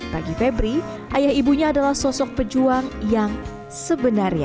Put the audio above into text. bagi febri ayah ibunya adalah sosok pejuang yang sebenarnya